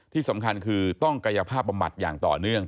ที่สำคัญคือต้องกายภาพบำบัดอย่างต่อเนื่อง